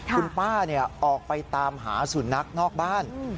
คุณป้าออกไปตามหาสุนัขนอกบ้าน